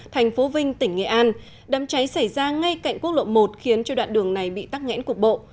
thành phố vinh tỉnh nghệ an đám cháy xảy ra ngay cạnh quốc lộ một khiến cho đoạn đường này bị tắc nghẽn cuộc bộ